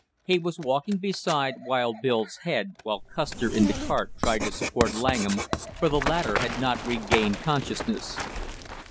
He was walking beside wild Bill's head while Custer in the cart tried to support Langham, for the latter had not regained consciousness.